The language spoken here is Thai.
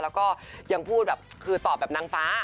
แล้วก็ยังพูดแบบคือตอบแบบนางฟ้า